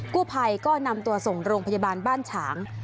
กู้ภัยก็นำตัวส่งโรงพยาบาลบ้านฉาง